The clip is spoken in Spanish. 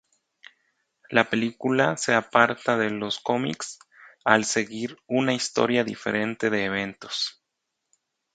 La película se aparta de los cómics al seguir una historia diferente de eventos.